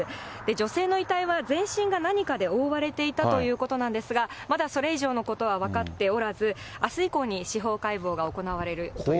女性の遺体は全身が何かで覆われていたということなんですが、まだそれ以上のことは分かっておらず、あす以降に司法解剖が行われるということです。